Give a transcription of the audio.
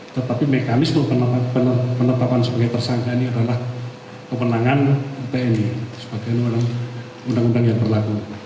tetapi mekanisme penetapan sebagai tersangka ini adalah kewenangan tni sebagai undang undang yang berlaku